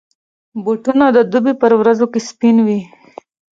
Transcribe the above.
بوټونه د دوبي پر ورځو کې سپین وي.